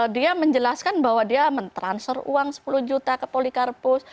dia menjelaskan bahwa dia mentransfer uang sepuluh juta ke polikarpus